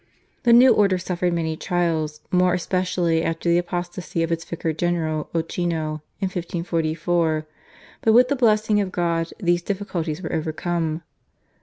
The new order suffered many trials more especially after the apostasy of its vicar general Ochino in 1544, but with the blessing of God these difficulties were overcome.